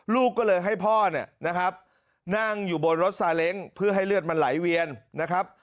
ลูกก็เลยให้พ่อเนี่ยนะครับนั่งอยู่บนรถซาเล้งเพื่อให้เลือดมันไหลเวียนนะครับ